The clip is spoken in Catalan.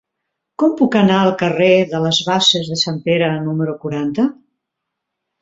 Com puc anar al carrer de les Basses de Sant Pere número quaranta?